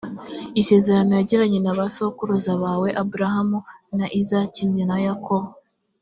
isezerano yagiranye n’abasokuruza bawe abrahamu, na izaki na yakobo.